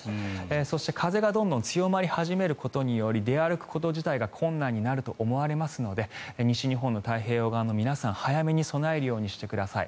そして、風がどんどん強まり始めることにより出歩くこと自体が困難になると思われますので西日本の太平洋側の皆さん早めに備えるようにしてください。